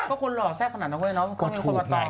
ก็คนน่อแทบขนาดนั้นทุกคนว่าตรง